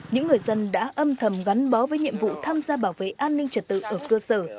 những người dân đã âm thầm gắn bó với nhiệm vụ tham gia bảo vệ an ninh trật tự ở cơ sở